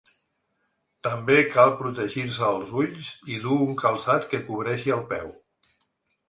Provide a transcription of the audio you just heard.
També cal protegir-se els ulls i dur un calçat que cobreixi el peu.